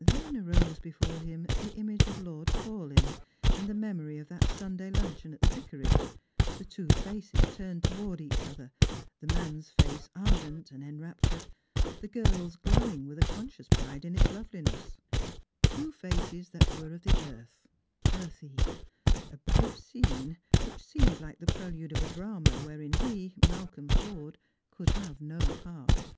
Then arose before him the image of Lord Paulyn, and the memory of that Sunday luncheon at the Vicarage; the two faces turned towards each other— the man's face ardent, en raptured — the girl's glowing with a conscious pride in its loveliness; two faces that were of the earth, earthy — a brief scene which seemed like the prelude of a drama wherein he, Malcolm Forde, could have no part.